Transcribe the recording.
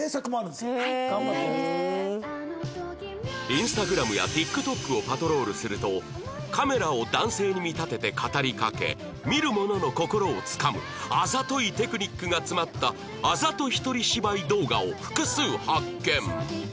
インスタグラムや ＴｉｋＴｏｋ をパトロールするとカメラを男性に見立てて語りかけ見る者の心をつかむあざといテクニックが詰まったあざと一人芝居動画を複数発見